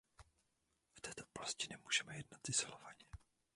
V této oblasti nemůžeme jednat izolovaně.